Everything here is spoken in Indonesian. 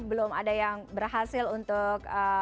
belum ada yang berhasil untuk